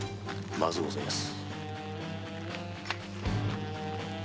まずうございます。